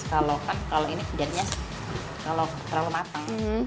kalau ini biarnya terlalu matang